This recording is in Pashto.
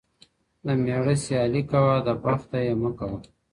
¬ د مېړه سيالي کوه، د بخته ئې مه کوه.